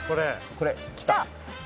これ。来た！